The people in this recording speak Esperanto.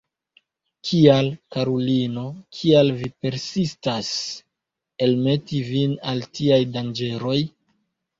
Kial, karulino, kial vi persistas elmeti vin al tiaj danĝeroj?